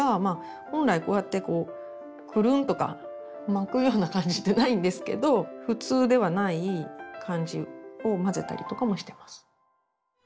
本来こうやってこうクルンとか巻くような感じでないんですけど普通ではない感じをまぜたりとかもしてます。